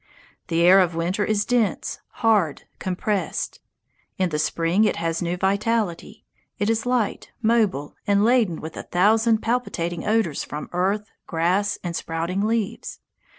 The air of winter is dense, hard, compressed. In the spring it has new vitality. It is light, mobile, and laden with a thousand palpitating odours from earth, grass, and sprouting leaves.